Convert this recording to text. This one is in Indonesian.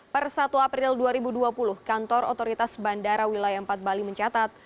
per satu april dua ribu dua puluh kantor otoritas bandara wilayah empat bali mencatat